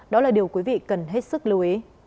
đó là điều quý vị cần hết sức lưu ý